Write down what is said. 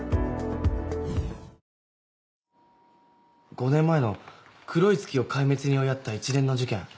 ５年前の黒い月を壊滅に追いやった一連の事件。